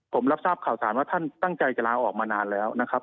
ผมรับทราบข่าวสารว่าท่านตั้งใจจะลาออกมานานแล้วนะครับ